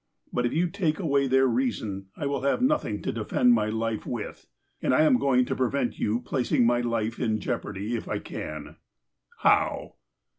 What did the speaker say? But if you take away their reason, I will have nothing to defend my life with. And I am going to prevent your placing my life in jeopardy if I can." ''How?"